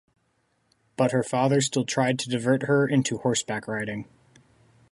But her father still tried to divert her into horseback riding.